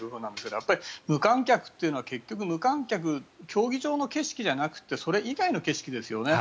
やっぱり無観客というのは結局、無観客競技場の景気じゃなくてそれ以外の景色ですよね。